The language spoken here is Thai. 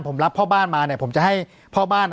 ผมรับพ่อบ้านมาเนี่ยผมจะให้พ่อบ้าน